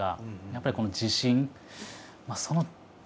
やっぱりこの自信。